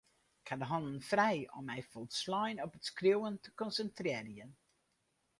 Ik ha de hannen frij om my folslein op it skriuwen te konsintrearjen.